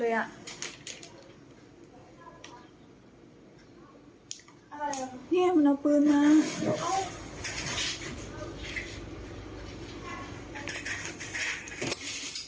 เล่นปืนเลยอะ